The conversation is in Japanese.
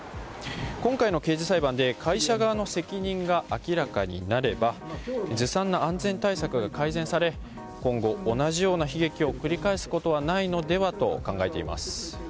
今回の刑事裁判で会社側の責任が明らかになればずさんな安全対策が改善され今後、同じような悲劇を繰り返すことはないのではと考えています。